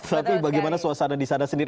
tapi bagaimana suasana di sana sendiri